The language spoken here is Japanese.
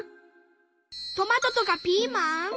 トマトとかピーマン？